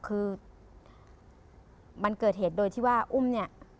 คือมันเกิดเหตุโดยที่ว่าอุ้มเนี่ย